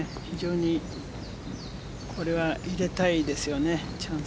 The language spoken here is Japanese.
非常にこれは入れたいですよね。